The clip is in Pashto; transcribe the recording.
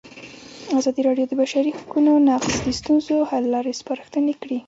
ازادي راډیو د د بشري حقونو نقض د ستونزو حل لارې سپارښتنې کړي.